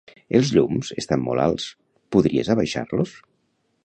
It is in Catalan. Els llums estan molt alts; podries abaixar-los?